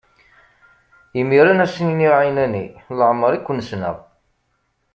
Imiren, ad sen-iniɣ ɛinani: Leɛmeṛ i ken-ssneɣ!